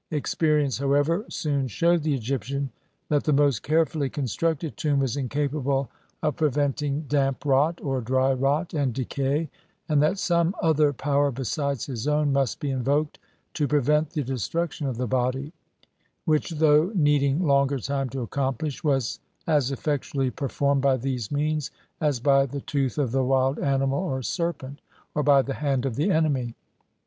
Experience, however, soon shewed the Egyptian that the most carefully constructed tomb was incapable of prevent THE HISTORY OF THE BOOK OF THE DEAD. XXXIX ing damp rot or dry rot and decay, and that some other power besides his own must be invoked to pre vent the destruction of the body, which, though need ing longer time to accomplish, was as effectually per formed by these means as by the tooth of the wild animal or serpent, or by the hand of the enemy.